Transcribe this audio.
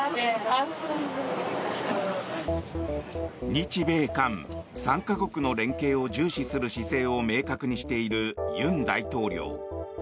日米韓３か国の連携を重視する姿勢を明確にしている尹大統領。